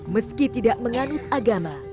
meski tidak menganut agama